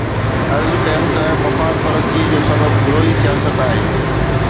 عرض ڪيم ته مفاد پرستيءَ جو سبب گروهي سياست آهي.